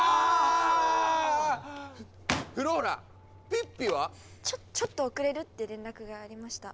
ピッピは⁉ちょちょっと遅れるって連絡がありました。